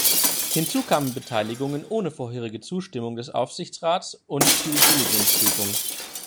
Hinzu kamen Beteiligungen ohne vorherige Zustimmung des Aufsichtsrats und Due-Diligence-Prüfung.